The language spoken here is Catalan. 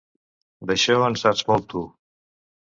D'això en saps molt, tu